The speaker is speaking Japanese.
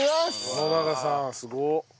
野永さんすごっ！